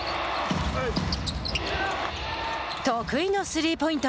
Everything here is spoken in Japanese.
得意のスリーポイント。